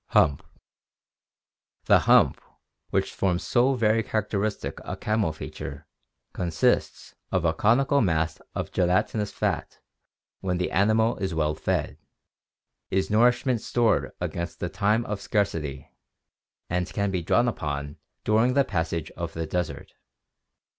Hump* — The hump which forms so very characteristic a camel feature consists of a conical mass of gelatinous fat when the animal is well fed, is nourishment stored against a time of scarcity, and can be drawn upon during the passage of the desert.